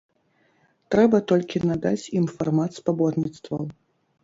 Трэба толькі надаць ім фармат спаборніцтваў.